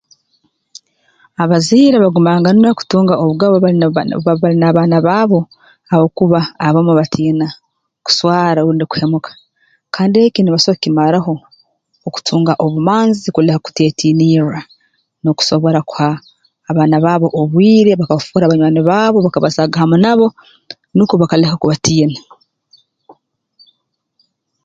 Abazaire bagumanganirwa kutunga obugabe obu baba bali n'abaana baabo habwokuba abamu batiina kuswara rundi kuhemuka kandi eki nibasobora kukimaraho okutunga obumanzi kuleka kuteetiinirra n'okusobora kuha abaana baabo obwire bakabafoora banywani baabo bakabasaaga hamu nabo nukwo bakaleka kubatiina